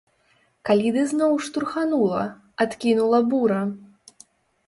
Калі ды зноў штурханула, адкінула бура?